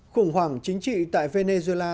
khủng hoảng chính trị tại venezuela